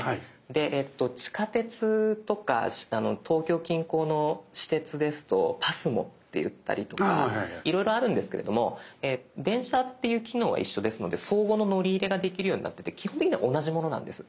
で地下鉄とか東京近郊の私鉄ですとＰＡＳＭＯっていったりとかいろいろあるんですけれども電車っていう機能は一緒ですので相互の乗り入れができるようになってて基本的には同じものなんです。